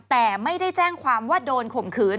แต่ไม่ได้แจ้งความว่าโดนข่มขืน